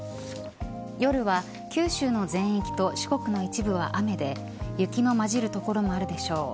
夜は九州の全域と四国の一部は雨で雪の交じる所もあるでしょう。